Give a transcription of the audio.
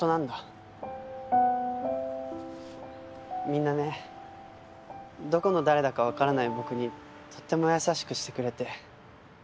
みんなねどこの誰だかわからない僕にとっても優しくしてくれて。